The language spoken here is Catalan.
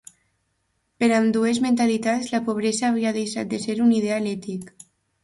Per ambdues mentalitats la pobresa havia deixat de ser un ideal ètic.